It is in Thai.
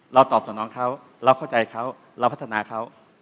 ตอบต่อน้องเขาเราเข้าใจเขาเราพัฒนาเขา